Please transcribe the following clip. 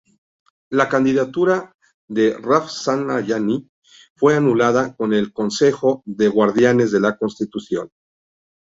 La candidatura de Rafsanyaní fue anulada por el Consejo de Guardianes de la Constitución.